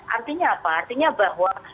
artinya apa artinya bahwa